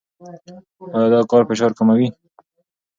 ایا دا کار فشار کموي؟